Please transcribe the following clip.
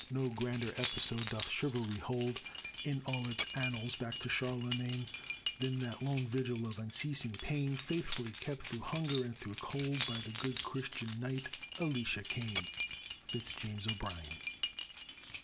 No grander episode doth chivalry hold In all its annals, back to Charlemagne, Than that lone vigil of unceasing pain, Faithfully kept through hunger and through cold, By the good Christian knight, ELISHA KANE! FITZ JAMES O'BRIEN.